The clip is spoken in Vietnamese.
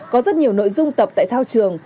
có rất nhiều nội dung tập tại thao trường